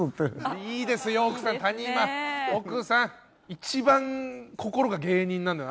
一番心が芸人なんだよ